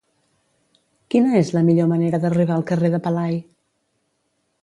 Quina és la millor manera d'arribar al carrer de Pelai?